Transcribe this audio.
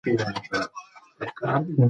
که ماشوم وي نو کور نه چوپ کیږي.